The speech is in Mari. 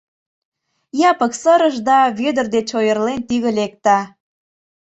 Япык сырыш да, Вӧдыр деч ойырлен, тӱгӧ лекте.